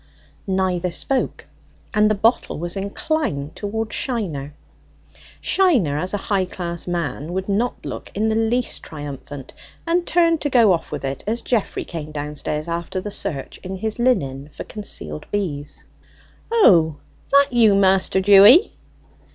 Neither spoke; and the bottle was inclined towards Shiner. Shiner, as a high class man, would not look in the least triumphant, and turned to go off with it as Geoffrey came downstairs after the search in his linen for concealed bees. "O that you, Master Dewy?"